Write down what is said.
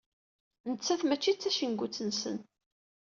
Nettat mačči d tacengut-nsen.